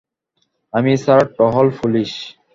আমি স্যার টহল পুলিশ।